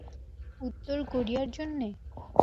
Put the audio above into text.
উত্তর কোরিয়ার জন্যে?